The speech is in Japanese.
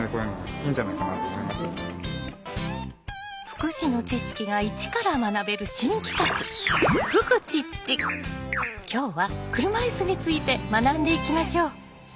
福祉の知識が一から学べる新企画今日は車いすについて学んでいきましょう！